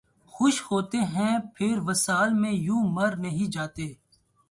خوش ہوتے ہیں پر وصل میں یوں مر نہیں جاتے